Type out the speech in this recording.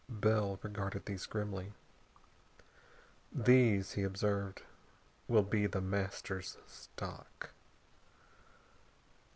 Bell regarded these grimly. "These," he observed, "will be The Master's stock."